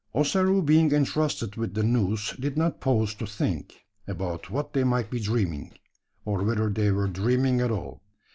Ossaroo being entrusted with the noose, did not pause to think, about what they might be dreaming; or whether they were dreaming at all.